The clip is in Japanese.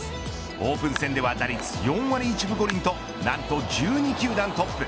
オープン戦では打率４割１分５厘と何と１２球団トップ。